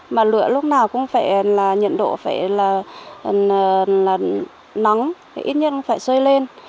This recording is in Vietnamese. mà lửa lúc nào cũng phải là nhiệt độ phải là nóng ít nhất cũng phải sôi lên